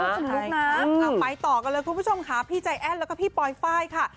เอาไปต่อกันเลยคุณผู้ชมพี่ใจแอดและก็พี่ปรอยไฟล์ค่ะ